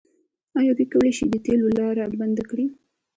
آیا دوی کولی شي د تیلو لاره بنده کړي؟